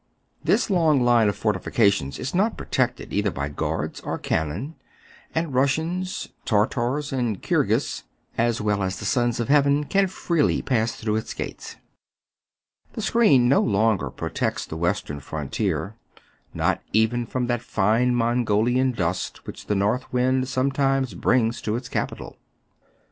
This long line of fortifications is not protected either by guards or cannon ; and Russians, Tar tars, and the Kirghis, as well as the Sons of Heav en, can freely pass through its gates. The screen no longer protects the Western frontier, not even WHICH THE READER MIGHT HA VE WRITTEN, 259 from that fine Mongolian dust which the north wind sometimes brings to its capital.